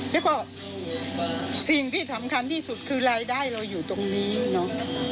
แล้วก็สิ่งที่สำคัญที่สุดคือรายได้เราอยู่ตรงนี้เนาะ